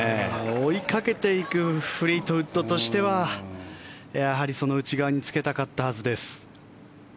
追いかけていくフリートウッドとしてはやはり、その内側につけたかったはずです。